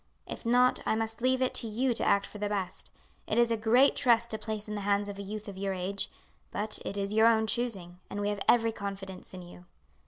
If not, I must leave it to you to act for the best. It is a great trust to place in the hands of a youth of your age; but it is your own choosing, and we have every confidence in you.